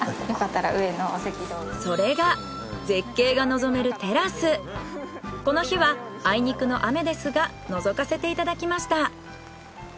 それがこの日はあいにくの雨ですがのぞかせていただきました。